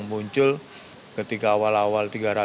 pada biaya cukai saya yakin banyak orang pajak yang masih baik